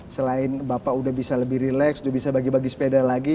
selain bapak sudah bisa lebih rileks sudah bisa bagi bagi sepeda lagi